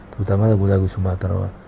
terutama lagu lagu sumatera